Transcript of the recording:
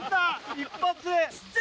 一発。